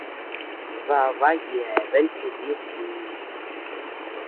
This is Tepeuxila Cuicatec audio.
Dada yeabean jidis ntiñu.